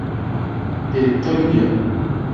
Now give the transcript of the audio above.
Director y guion